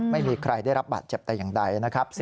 ไม่มีใครได้รับบาดเจ็บแต่อย่างใดนะครับ